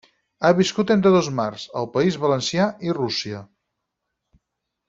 Ha viscut entre dos mars: el País Valencià i Rússia.